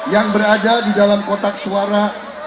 yang berada di dalam kotak suara